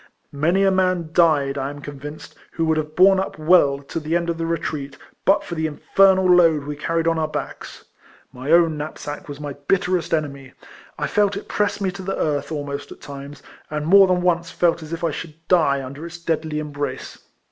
Many a man died, I am convinced, who would have borne up well to the end of the retreat, but for the infernal load we carried on our backs. My own knapsack was my bitterest enemy; I felt it press me to the earth ahnost at times, and more than once felt as if I should die under its deadly embrace.